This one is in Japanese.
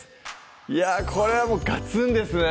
いやぁこれはもうガツンですね